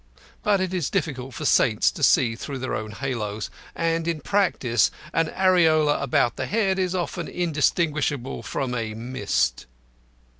But it is difficult for saints to see through their own halos; and in practice an aureola about the head is often indistinguishable from a mist.